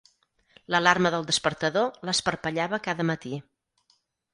L'alarma del despertador l'esparpellava cada matí.